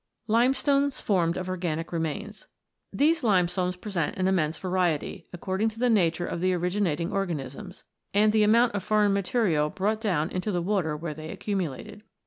LIMESTONES FORMED OF ORGANIC REMAINS These limestones present an immense variety, according to the nature of the originating organisms, and the amount of foreign material brought down into the water where they accumulated.